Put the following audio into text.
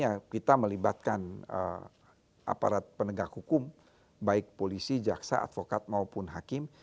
ya kita melibatkan aparat penegak hukum baik polisi jaksa advokat maupun hakim